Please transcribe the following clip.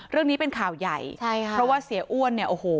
เรื่องนี้เป็นข่าวใหญ่ใช่ค่ะเพราะว่าเสียอ้วนเนี่ยโอ้โห